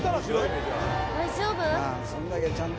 大丈夫？